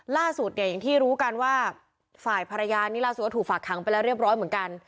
ล่าสุดเนี่ยอย่างที่รู้กันว่าฝ่ายภรรยานี่ล่าสุดก็ถูกฝากขังไปแล้วเรียบร้อยเหมือนกัน